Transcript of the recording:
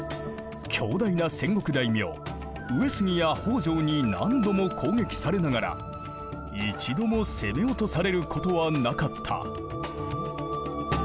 強大な戦国大名上杉や北条に何度も攻撃されながら一度も攻め落とされることはなかった。